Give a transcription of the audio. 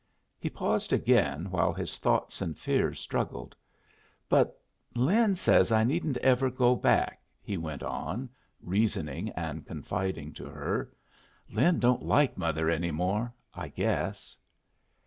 He paused again, while his thoughts and fears struggled. "But Lin says I needn't ever go back," he went on, reasoning and confiding to her. "Lin don't like mother any more, I guess."